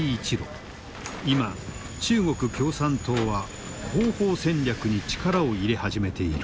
今中国共産党は広報戦略に力を入れ始めている。